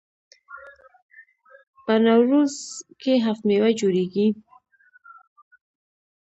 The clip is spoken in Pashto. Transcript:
په نوروز کې هفت میوه جوړیږي.